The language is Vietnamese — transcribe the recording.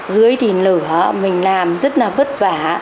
dưới thì lửa mình làm rất là vất vả